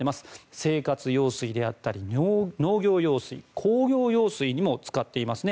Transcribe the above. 生活用水や農業用水工業用水にも使っていますね。